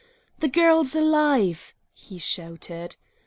"The girl's alive!" he shouted.